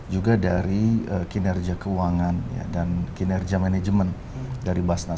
juga dari kinerja keuangan dan kinerja manajemen dari basnas